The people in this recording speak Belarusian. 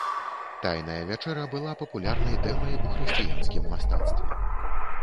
Тайная вячэра была папулярнай тэмай у хрысціянскім мастацтве.